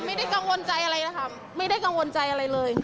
ไม่ได้กังวลใจอะไรนะคะไม่ได้กังวลใจอะไรเลย